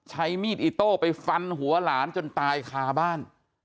ใช้มีดอิโต้ไปฟันหัวหลานจนตายคาบ้าน